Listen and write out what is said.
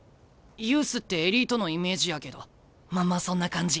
ユースってエリートのイメージやけどまんまそんな感じ。